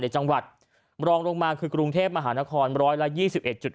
ในจังหวัดรองลงมาคือกรุงเทพฯมหานครร้อยละยี่สิบเอ็ดจุด